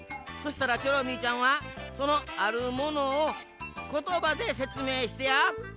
そしたらチョロミーちゃんはそのあるものをことばでせつめいしてや。